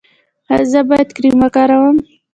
ایا زه باید کریم وکاروم؟